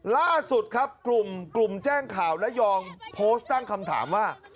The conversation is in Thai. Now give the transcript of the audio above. ล่าสุดครับกลุ่มแจ้งข่าวระยองโพสต์ตั้งคำถามว่า